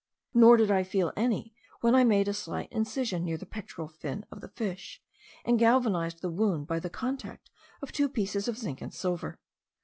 Nor did I feel any when I made a slight incision near the pectoral fin of the fish, and galvanized the wound by the contact of two pieces of zinc and silver.